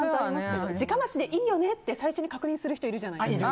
直箸でいいよねって最初に確認する人いるじゃないですか。